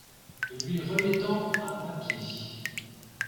Lui remettant un papier.